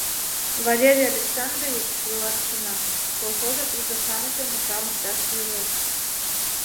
«Валерий Александрович, вуйлатышына, колхозыш ӱдыр-шамычым пашам ышташ ӱжӧ.